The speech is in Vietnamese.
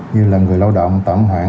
như là người lao động tẩm hoãn